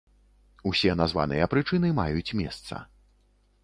Усе названыя прычыны маюць месца.